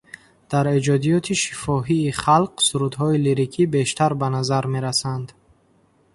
Дар эҷодиёти шифоҳии халқ сурудҳои лирикӣ бештар ба назар мерасанд.